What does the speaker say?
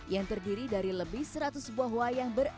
yang terdiri dari lebih seratus buah wayang